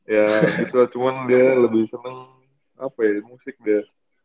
ya gitu cuman dia lebih seneng apa ya musik dia